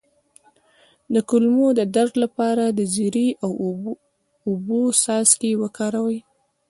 د کولمو د درد لپاره د زیرې او اوبو څاڅکي وکاروئ